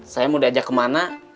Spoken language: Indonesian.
saya mau diajak kemana